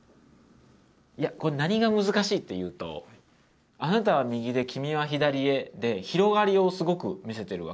いやこれ何が難しいっていうと「あなたはみぎできみはひだりへ」で広がりをすごく見せてるわけですよね。